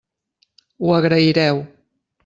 Ho agraireu.